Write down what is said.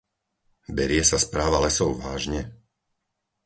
Berie sa správa lesov vážne?